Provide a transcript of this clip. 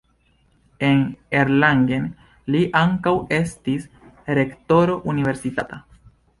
En Erlangen li ankaŭ estis rektoro universitata.